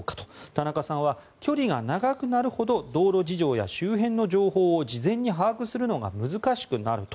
田中さんは距離が長くなるほど道路事情や周辺の情報を事前に把握するのが難しくなると。